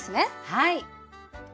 はい。